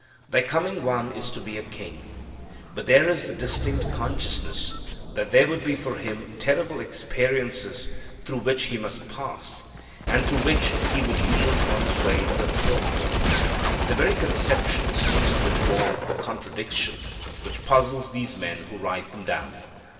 Their coming One is to be a king, but there is the distinct consciousness that there would be for Him terrible experiences through which He must pass, and to which He would yield on His way to the throne. The very conception seems to involve a contradiction which puzzles these men who write them down.